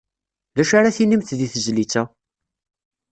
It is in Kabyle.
D acu ara tinimt di tezlit-a?